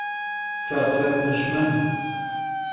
Fakhıre peşmen.